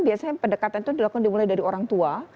biasanya pendekatan itu dilakukan dimulai dari orang tua